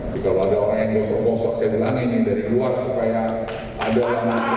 jika ada orang yang gosok gosok saya bilangin ini dari luar supaya ada orang yang bisa mengaturni